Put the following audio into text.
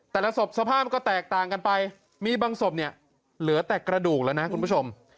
สภาพศพสภาพก็แตกต่างกันไปมีบางศพเนี่ยเหลือแต่กระดูกแล้วนะคุณผู้ชม